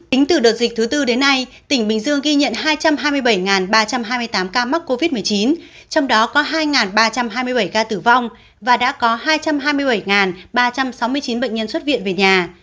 tính từ đợt dịch thứ tư đến nay tỉnh bình dương ghi nhận hai trăm hai mươi bảy ba trăm hai mươi tám ca mắc covid một mươi chín trong đó có hai ba trăm hai mươi bảy ca tử vong và đã có hai trăm hai mươi bảy ba trăm sáu mươi chín bệnh nhân xuất viện về nhà